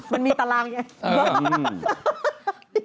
มันมีตารางไง